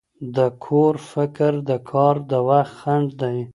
د کور فکر د کار د وخت خنډ دی.